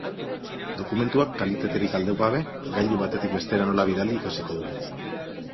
Dokumentuak, kalitaterik galdu gabe, gailu batetik bestera nola bidali ikasiko dugu.